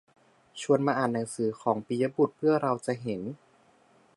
ชวนมาอ่านหนังสือของปิยบุตรเพื่อเราจะเห็น